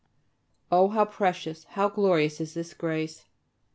Oh, how precious, how glorious is this grace!